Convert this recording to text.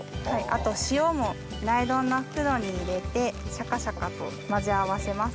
あと塩もナイロンの袋に入れてシャカシャカと混ぜ合わせます。